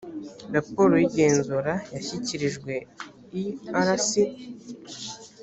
raporo y igenzura yashyikirijwe erc